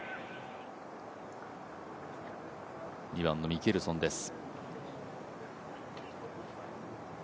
２番のミケルソンです。